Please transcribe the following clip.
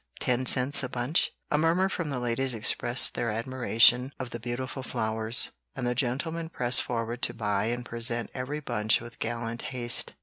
Ten cents a bunch." A murmur from the ladies expressed their admiration of the beautiful flowers, and the gentlemen pressed forward to buy and present every bunch with gallant haste.